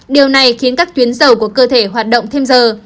điều này khiến các tuyến dầu của cơ thể hoạt động thêm giờ